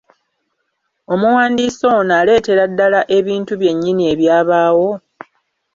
Omuwandiisi ono aleetera ddala ebintu byennyini ebyabaawo?